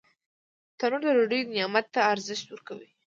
تنور د ډوډۍ نعمت ته ارزښت ورکوي